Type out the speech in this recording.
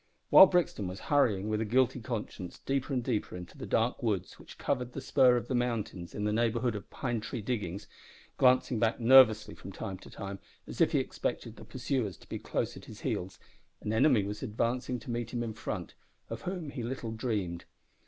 While Brixton was hurrying with a guilty conscience deeper and deeper into the dark woods which covered the spur of the mountains in the neighbourhood of Pine Tree Diggings, glancing back nervously from time to time as if he expected the pursuers to be close at his heels, an enemy was advancing to meet him in front, of whom he little dreamed.